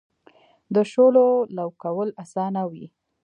د شولو لو کول اسانه وي.